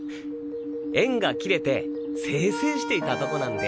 縁が切れて清々していたとこなんで。